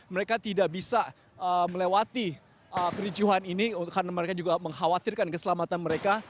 mereka tidak bisa melewati kericuhan ini karena mereka juga mengkhawatirkan keselamatan mereka